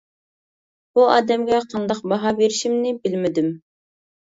بۇ ئادەمگە قانداق باھا بېرىشىمنى بىلمىدىم.